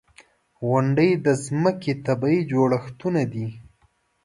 • غونډۍ د ځمکې طبعي جوړښتونه دي.